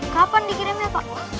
kapan dikirimnya pak